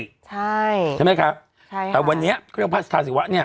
ใช่ใช่ไหมคะใช่ค่ะแต่วันนี้เขาเรียกว่าพระสาธาศิวะเนี่ย